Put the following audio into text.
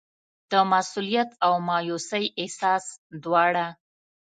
د مسوولیت او مایوسۍ احساس دواړه.